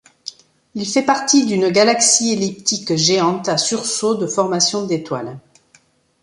Il fait partie d'une galaxie elliptique géante à sursauts de formation d'étoiles.